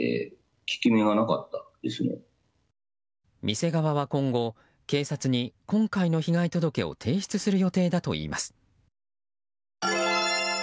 店側は今後、警察に今回の被害届を提出する予定だといいます。